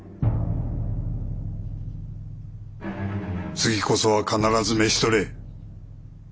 次こそは必ず召し捕れ。